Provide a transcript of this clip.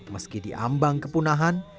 meski diambang kepunahan